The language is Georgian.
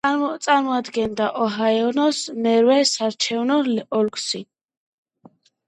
წარმოადგენდა ოჰაიოს მერვე საარჩევნო ოლქს.